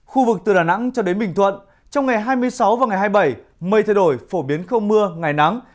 khu vực từ đà nẵng cho đến bình thuận trong ngày hai mươi sáu và ngày hai mươi bảy mây thay đổi phổ biến không mưa ngày nắng